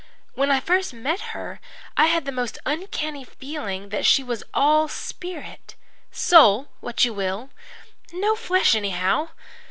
When I first met her I had the most uncanny feeling that she was all spirit soul what you will! no flesh, anyhow.